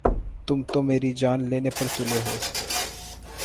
تم تو میری جان لینے پر تُلے ہو